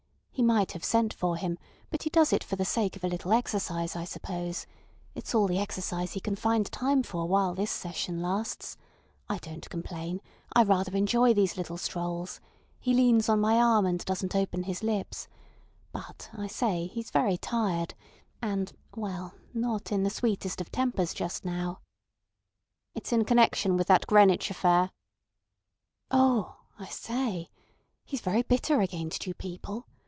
He might have sent for him; but he does it for the sake of a little exercise, I suppose. It's all the exercise he can find time for while this session lasts. I don't complain; I rather enjoy these little strolls. He leans on my arm, and doesn't open his lips. But, I say, he's very tired, and—well—not in the sweetest of tempers just now." "It's in connection with that Greenwich affair." "Oh! I say! He's very bitter against you people.